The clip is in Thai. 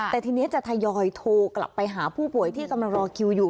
แต่ทีนี้จะทยอยโทรกลับไปหาผู้ป่วยที่กำลังรอคิวอยู่